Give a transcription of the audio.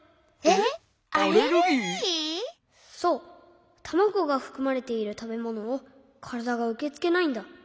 そうたまごがふくまれているたべものをからだがうけつけないんだ。